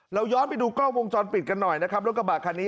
เราย้อนไปดูกล้องวงจรปิดกันหน่อยนะครับรถกระบะคันนี้